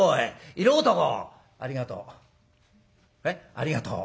「ありがとう。